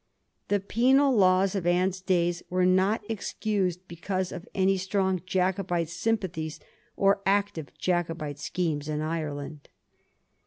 The penal laws of Anne's days were not excused because of any strong Jacobite sympathies or active Jacobite schemes in Ireland.